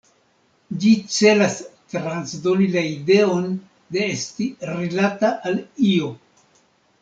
Ĝi celas transdoni la ideon de esti rilata al io.